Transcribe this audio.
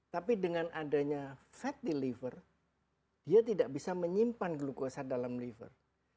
tapi dengan adanya fatty liver dia tidak bisa menyimpan glukosa dalam liver